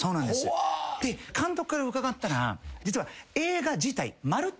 で監督から伺ったら実は。